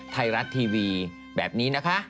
ไทยรัฐทีวีแบบนี้นะคะ